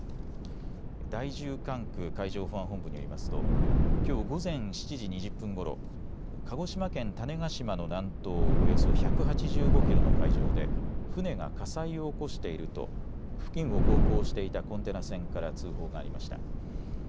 第１０管区海上保安本部によりますときょう午前７時２０分ごろ鹿児島県種子島の南東およそ１８５キロの海上で船が火災を起こしていると付近を航行していたコンテナ船から通報がありました。